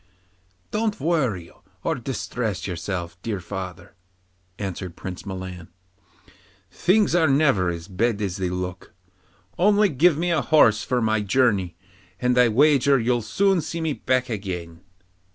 'Don't worry or distress yourself, dear father,' answered Prince Milan. 'Things are never as bad as they look. Only give me a horse for my journey, and I wager you'll soon see me back again.